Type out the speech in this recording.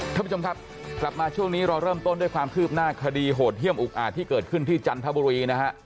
ท่านผู้ชมครับกลับมาช่วงนี้เราเริ่มต้นด้วยความคืบหน้าคดีโหดเยี่ยมอุกอาจที่เกิดขึ้นที่จันทบุรีนะฮะ